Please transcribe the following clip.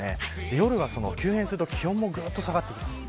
夜は急変すると気温もぐっと下がってきます。